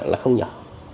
là không nhỏ